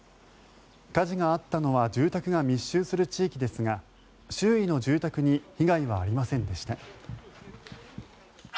火事があったのは住宅が密集する地域ですが周囲の住宅に被害はありませんでした。